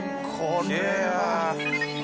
これは。